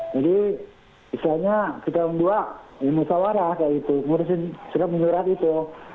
jadi misalnya kita dua yang masawarah kayak gitu ngurusin surat menyurat itu